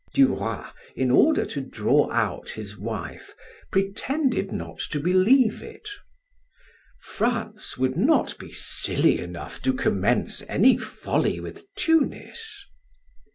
Du Roy, in order to draw out his wife, pretended not to believe it. "France would not be silly enough to commence any folly with Tunis!"